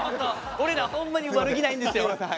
俺らほんまに悪気ないんですよ。